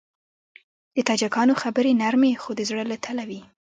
د تاجکانو خبرې نرمې خو د زړه له تله وي.